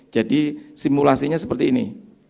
jadi simulasinya seperti ini